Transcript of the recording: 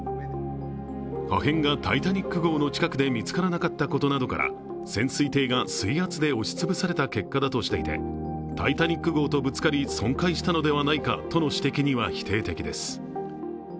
破片が「タイタニック」号の近くで見つからなかったことなどから潜水艇が水圧で押し潰された結果だとしていて、「タイタニック」号とぶつかり、損壊したのではないかとの指摘には否定的です。